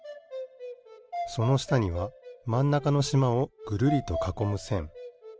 そのしたにはまんなかのしまをぐるりとかこむせん。